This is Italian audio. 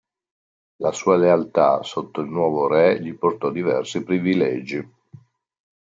La sua lealtà sotto il nuovo Re, gli portò diversi privilegi.